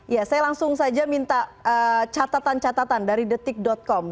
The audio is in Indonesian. ya saya langsung saja minta catatan catatan dari detik com